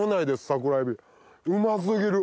桜海老うま過ぎる！